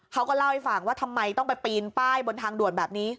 เขาก็เล่าให้ฟังว่าทำไมต้องไปปีนป้ายบนทางด่วนแบบนี้